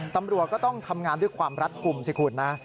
ตำรวจก็ต้องทำงานด้วยความรัดกลุ่มสิคุณนะ